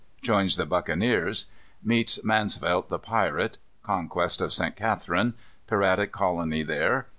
Joins the Buccaneers. Meets Mansvelt the Pirate. Conquest of St. Catharine. Piratic Colony there.